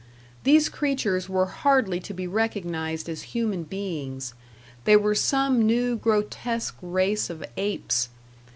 These creatures were hardly to be recognized as human beings; they were some new grotesque race of apes.